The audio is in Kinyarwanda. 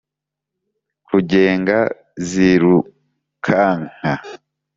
kugenga zirukanka